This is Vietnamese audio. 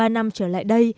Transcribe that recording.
ba năm trở lại đây